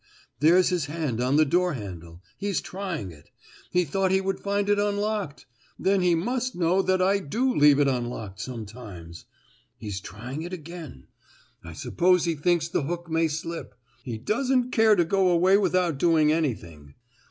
there's his hand on the door handle—he's trying it!—he thought he would find it unlocked!—then he must know that I do leave it unlocked sometimes!—He's trying it again!—I suppose he thinks the hook may slip!—he doesn't care to go away without doing anything!"